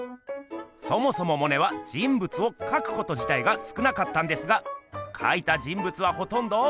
そもそもモネは人物をかくことじたいがすくなかったんですがかいた人物はほとんど。